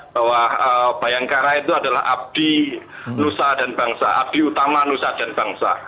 bahwa bayangkara itu adalah abdi utama nusa dan bangsa